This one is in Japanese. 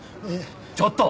ちょっと。